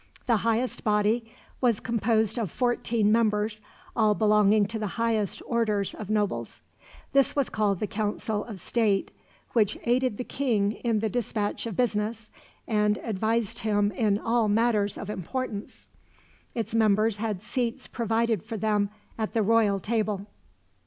The highest body was composed of fourteen members, all belonging to the highest orders of nobles. This was called the Council of State, which aided the king in the dispatch of business, and advised him in all matters of importance. Its members had seats provided for them at the royal table.